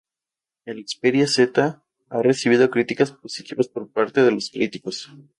El Xperia Z ha recibido críticas positivas por parte de los críticos.